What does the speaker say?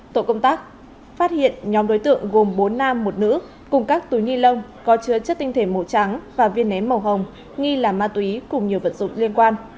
tổ công tác phát hiện nhóm đối tượng gồm bốn nam một nữ cùng các túi ni lông có chứa chất tinh thể màu trắng và viên ném màu hồng nghi là ma túy cùng nhiều vật dụng liên quan